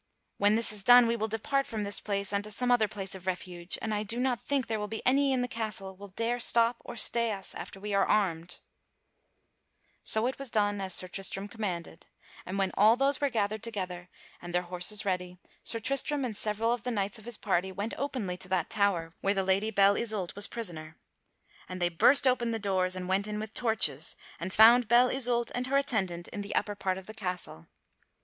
When this is done, we will depart from this place unto some other place of refuge, and I do not think there will be any in the castle will dare stop or stay us after we are armed." [Sidenote: Sir Tristram arms himself] So it was done as Sir Tristram commanded, and when all those were gathered together, and their horses ready, Sir Tristram and several of the knights of his party went openly to that tower where the Lady Belle Isoult was prisoner. And they burst open the doors and went in with torches, and found Belle Isoult and her attendant in the upper part of the castle.